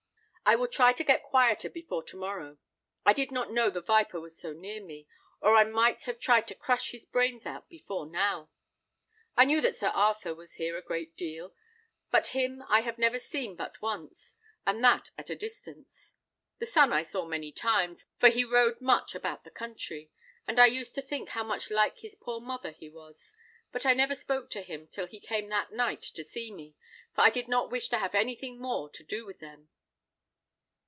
I will try to get quieter before to morrow. I did not know the viper was so near me, or I might have tried to crush his brains out before now. I knew that Sir Arthur was here a great deal, but him I have never seen but once, and that at a distance. The son I saw many times, for he rode much about the country, and I used to think how much like his poor mother he was, but I never spoke to him till he came that night to see me, for I did not wish to have anything more to do with them."